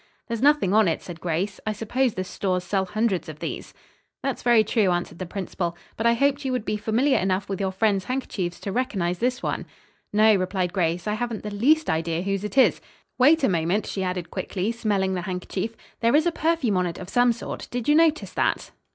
"There's nothing on it," said Grace. "I suppose the stores sell hundreds of these." "That's very true," answered the principal, "but I hoped you would be familiar enough with your friends' handkerchiefs to recognize this one." "No," replied Grace, "I haven't the least idea whose it is. Wait a moment," she added quickly, smelling the handkerchief; "there is a perfume on it of some sort. Did you notice that?"